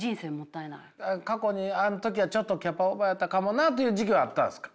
過去にあん時はちょっとキャパオーバーやったかもなっていう時期はあったんすか？